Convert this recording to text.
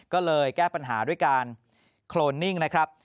ก็เลยแก้ปัญหาด้วยการโครนนิ่งนะครับ